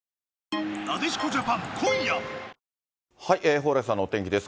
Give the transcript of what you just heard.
蓬莱さんのお天気です。